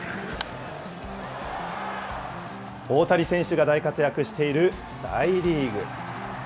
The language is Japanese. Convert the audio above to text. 大谷選手が大活躍している大リーグ。